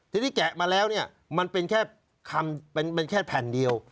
ทีนี้แกะมาแล้วเนี่ยมันเป็นแค่คำมันแค่แผ่นเดียว